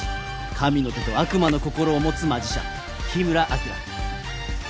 神の手と悪魔の心を持つマジシャン緋邑晶。